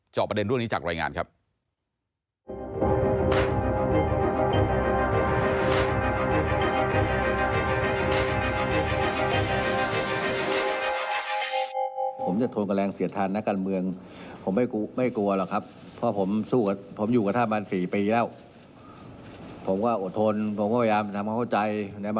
ประเด็นเรื่องนี้จากรายงานครับ